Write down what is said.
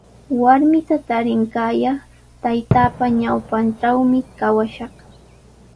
Warmita tarinqaayaq taytaapa ñawpantrawmi kawashaq.